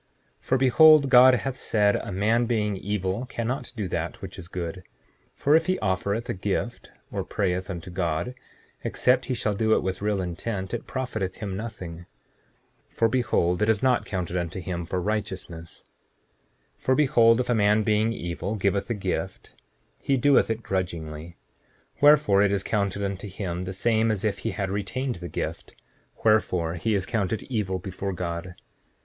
7:6 For behold, God hath said a man being evil cannot do that which is good; for if he offereth a gift, or prayeth unto God, except he shall do it with real intent it profiteth him nothing. 7:7 For behold, it is not counted unto him for righteousness. 7:8 For behold, if a man being evil giveth a gift, he doeth it grudgingly; wherefore it is counted unto him the same as if he had retained the gift; wherefore he is counted evil before God.